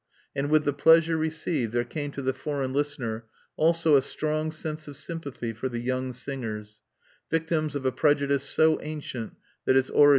And with the pleasure received there came to the foreign listener also a strong sense of sympathy for the young singers, victims of a prejudice so ancient that its origin is no longer known."